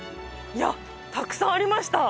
いやたくさんありました